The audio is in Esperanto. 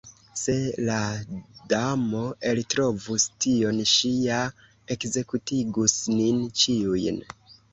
Se la Damo eltrovus tion, ŝi ja ekzekutigus nin ĉiujn.